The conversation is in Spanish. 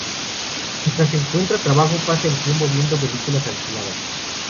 Mientras encuentra trabajo, pasa el tiempo viendo películas alquiladas.